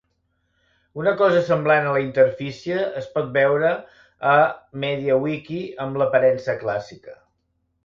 Una cosa semblant a la interfície es pot veure a MediaWiki amb l'aparença clàssica.